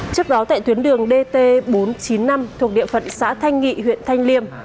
trước đó tại tuyến đường dt bốn trăm chín mươi năm thuộc địa phận xã thanh nghị huyện thanh liêm